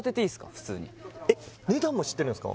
普通にえっ値段も知ってるんすか？